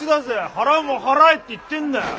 払うもん払えって言ってんだよ！